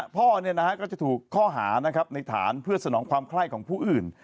พ่อเนี่ยนะครับก็จะถูกข้อหานะครับในฐานเพื่อสนองความคล่ายของผู้อื่น